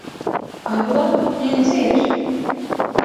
— Айбулат, һиңә нисә йәш?